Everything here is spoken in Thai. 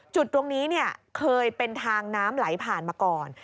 จุดตรงนี้เคยเป็นทางน้ำไหลผ่านมาก่อน